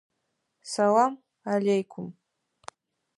Сэлам аллейкум!